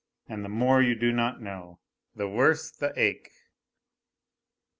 and the more you do not know, the worse the ache.